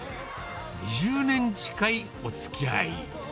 ２０年近いおつきあい。